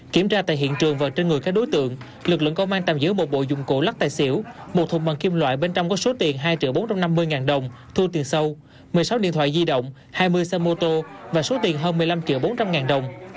kiểm tra tại hiện trường và trên người các đối tượng lực lượng công an tạm giữ một bộ dụng cụ lắc tài xỉu một thùng bằng kim loại bên trong có số tiền hai triệu bốn trăm năm mươi ngàn đồng thu tiền sâu một mươi sáu điện thoại di động hai mươi xe mô tô và số tiền hơn một mươi năm triệu bốn trăm linh ngàn đồng